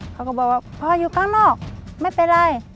เขาก็บอกว่าพ่ออยู่ข้างนอกไม่เป็นไร